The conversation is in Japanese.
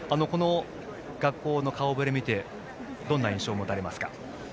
学校の顔ぶれを見てどんな印象を持たれますか。